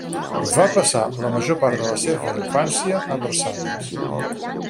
Va passar la major part de la seva infància a Versalles.